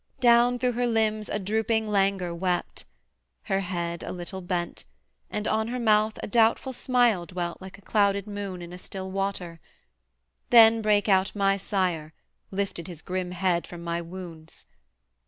Down through her limbs a drooping languor wept: Her head a little bent; and on her mouth A doubtful smile dwelt like a clouded moon In a still water: then brake out my sire, Lifted his grim head from my wounds.